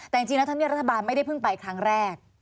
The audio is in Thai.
แต่จริงแล้วธรรมเนียบรัฐบาลไม่ได้เพิ่งไปครั้งแรก